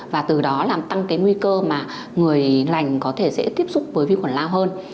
và từ đó làm tăng cái nguy cơ mà người lành có thể sẽ tiếp xúc với vi khuẩn lao hơn